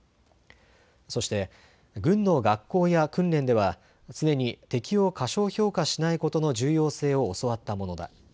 そして軍の学校や訓練では常に敵を過小評価しないことの重要性を教わったものだ。